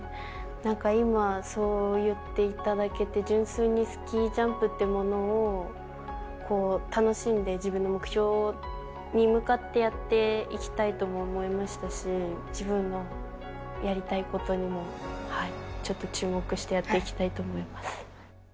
今、そう言っていただけて、純粋にスキージャンプっていうものを楽しんで、自分の目標に向かってやっていきたいとも思いましたし、自分のやりたいことにも、ちょっと注目してやっていきたいと思います。